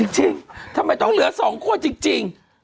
จริงทำไมต้องเหลือ๒คั่วจริง